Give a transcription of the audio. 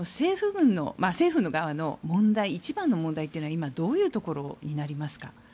政府の側の一番の問題は今、どういうところになりますか。